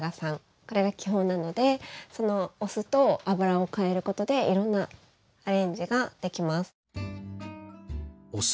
これが基本なのでそのお酢と油をかえることでいろんなアレンジができます。